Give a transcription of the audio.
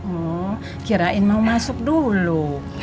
mau kirain mau masuk dulu